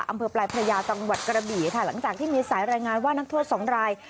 อำเภอปลายพระยาจังหวัดกระบี่ค่ะหลังจากที่มีสายรายงานว่านักโทษสองราย